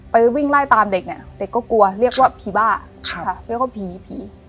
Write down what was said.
ไปวิ่งไล่ตามเด็กเนี่ยเด็กก็กลัวเรียกว่าผีบ้าเรียกว่าผีผี